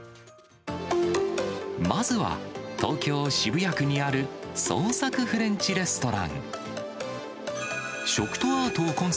まずは東京・渋谷区にある、創作フレンチレストラン。